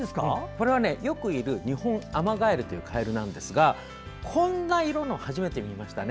これはよくいるニホンアマガエルというカエルなんですがこんな色のは初めて見ましたね。